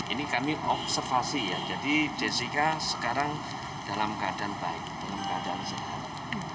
ini kami observasi ya jadi jessica sekarang dalam keadaan baik dalam keadaan sehat